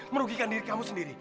merugikan diri kamu sendiri